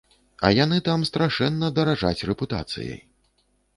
А яны там страшэнна даражаць рэпутацыяй.